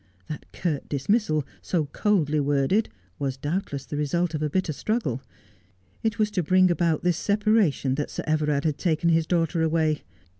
That curt dismissal, so coldly worded, was doubtless the result of a bitter struggle. It was to bring about this separation that Sir Everard had taken his daughter awav.